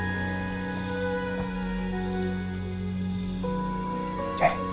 papa duduk kesini ya